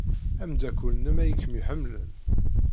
Ameddakel-nnem ay kem-iḥemmlen.